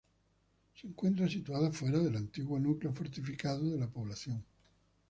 Se encuentra situada fuera del antiguo núcleo fortificado de la población.